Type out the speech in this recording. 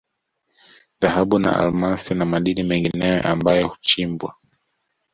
Dhahabu na Almasi na madini mengineyo ambayo huchimbwa